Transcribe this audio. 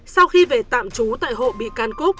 sau khi về tạm trú tại hộ bị can cúp